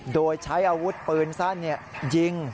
โดยใช้อาวุธปืนสั้นยิง